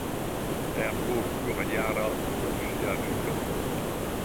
Herbo plurjara pro ĝia rizomo.